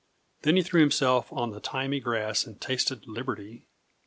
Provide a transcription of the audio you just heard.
Then he threw himself on the thymy grass and tasted liberty.